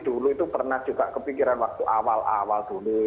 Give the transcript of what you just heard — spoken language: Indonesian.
dulu itu pernah juga kepikiran waktu awal awal dulu